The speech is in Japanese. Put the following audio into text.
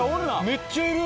めっちゃいる。